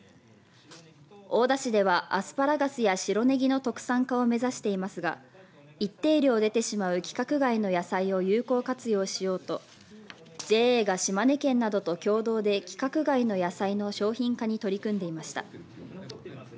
大田市ではアスパラガスや白ねぎの特産化を目指していますが一定量出てしまう規格外の野菜を有効活用しようとＪＡが、島根県などと共同で規格外の野菜の商品化に取り組んでいました。